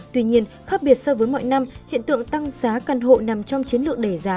tuy nhiên khác biệt so với mọi năm hiện tượng tăng giá căn hộ nằm trong chiến lược đầy giá